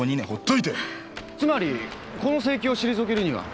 つまりこの請求を退けるには？